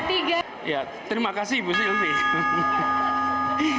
terima kasih ibu sylvie